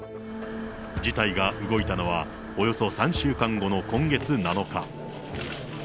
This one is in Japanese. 事態が動いたのは、およそ３週間後の今月７日。